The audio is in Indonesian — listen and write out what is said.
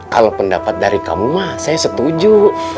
kalau pendapat dari kamu mah saya setuju